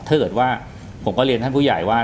ถ้าเกิดว่าผมก็เรียนท่านผู้ใหญ่ว่า